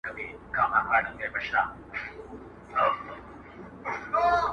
په سپوږمۍ كي زمـــا ژوندون دى~